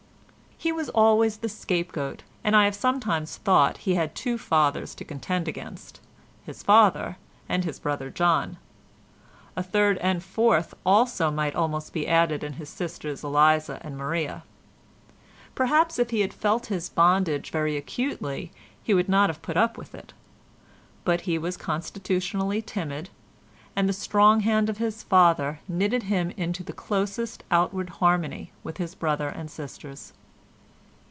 He was always the scapegoat, and I have sometimes thought he had two fathers to contend against—his father and his brother John; a third and fourth also might almost be added in his sisters Eliza and Maria. Perhaps if he had felt his bondage very acutely he would not have put up with it, but he was constitutionally timid, and the strong hand of his father knitted him into the closest outward harmony with his brother and sisters.